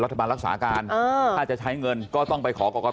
รัฐบาลรักษาการเอ่อถ้าจะใช้เงินก็ต้องไปขอก็